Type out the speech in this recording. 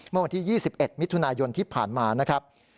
เมื่อวันที่๒๑มิถุนายนที่ผ่านมานะครับ